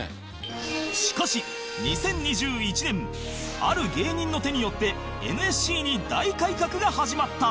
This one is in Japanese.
しかし２０２１年ある芸人の手によって ＮＳＣ に大改革が始まった